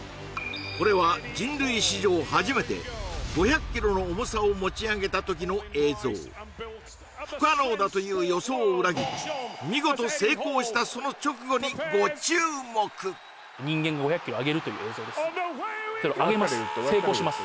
これは人類史上初めて５００ｋｇの重さを持ち上げた時の映像不可能だという予想を裏切り見事成功したその直後にご注目人間が５００ｋｇあげるという映像ですあげます